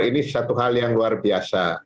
ini satu hal yang luar biasa